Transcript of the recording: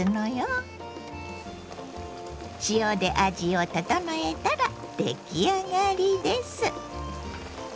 塩で味を調えたら出来上がりです。